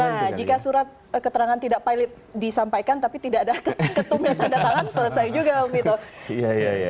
nah jika surat keterangan tidak pilot disampaikan tapi tidak ada ketumnya tanda tangan selesai juga begitu